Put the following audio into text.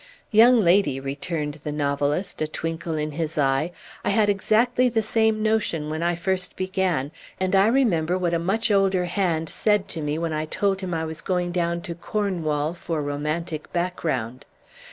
"Young lady," returned the novelist, a twinkle in his eye, "I had exactly the same notion when I first began, and I remember what a much older hand said to me when I told him I was going down to Cornwall for romantic background.